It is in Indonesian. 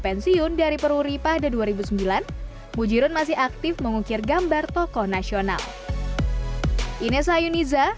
pensiun dari peruri pada dua ribu sembilan mujirun masih aktif mengukir gambar tokoh nasional inessa yuniza